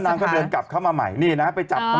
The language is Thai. โหยวายโหยวายโหยวายโหยวายโหยวายโหยวายโหยวาย